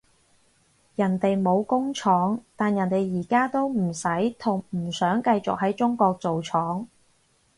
人哋冇工廠，但人哋而家都唔使同唔想繼續喺中國做廠